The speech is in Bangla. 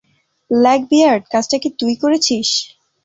ল্যাক-বিয়ার্ড, কাজটা কি তুই করেছিস?